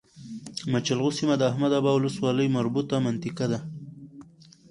مچلغو سيمه د احمداباد ولسوالی مربوطه منطقه ده